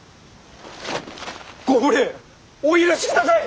ご無礼お許しください！